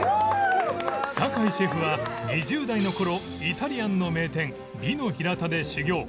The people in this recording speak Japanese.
酒井シェフは２０代の頃イタリアンの名店ヴィノヒラタで修業